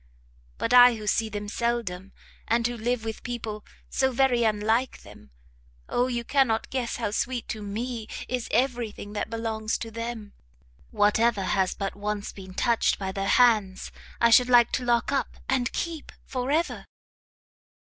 but I who see them seldom, and who live with people so very unlike them Oh you cannot guess how sweet to me is every thing that belongs to them! whatever has but once been touched by their hands, I should like to lock up, and keep for ever!